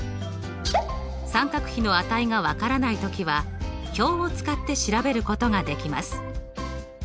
三角比の値が分からない時は表を使って調べることができます。